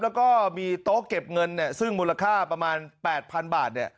แล้วก็มีโต๊ะเก็บเงินเนี่ยซึ่งมูลค่าประมาณ๘๐๐๐บาท